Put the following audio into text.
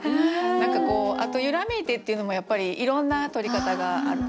何かこうあと「揺らめいて」っていうのもやっぱりいろんなとり方がある。